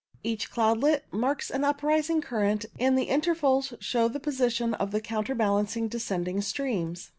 Each cloudlet marks an up rising current, and the intervals show the position of the counterbalancing descending streams.